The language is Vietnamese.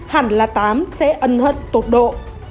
hẳn là tám sẽ ân hận tột độ